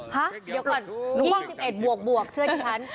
ฮะเดี๋ยวก่อนหลวงพ่อยี่สิบเอ็ดบวกบวกเชื่อดิฉัน